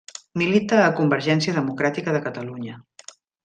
Milita a Convergència Democràtica de Catalunya.